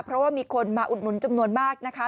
เพราะว่ามีคนมาอุดหนุนจำนวนมากนะคะ